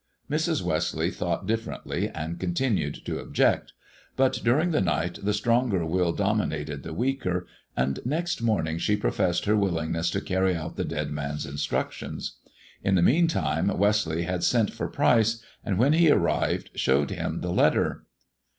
Mrs. "Westleigh thought differently and continued to object; but during the night the stronger will dominated the weaker, and next morning she professed her willingness to carry out the dead man's instructions. In the mean time Westleigh had sent for Pryce, and when he arrived showed him the letter.